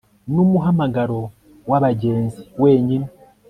numuhamagaro wabagenzi wenyine